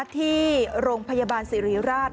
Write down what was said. ที่โรงพยาบาลสิริราช